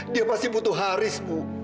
dia pasti butuh haris bu